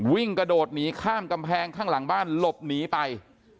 วิ่งกระโดดหนีข้ามกำแพงข้างหลังบ้านหลบหนีไป